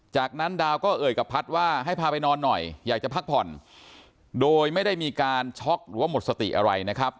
จากนั้นดาวก็เอ่ยกับพัฒน์ว่าให้พาไปนอนหน่อยอยากจะพักผ่อนโดยไม่ได้มีการช็อกหรือว่าหมดสติอะไรนะครับ